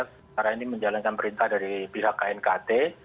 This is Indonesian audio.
sekarang ini menjalankan perintah dari pihak knkt